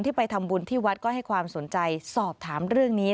ไปทำบุญที่วัดก็ให้ความสนใจสอบถามเรื่องนี้